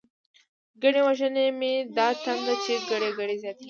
گڼی وژنی می دا تنده، چی گړی گړی زیاتتیږی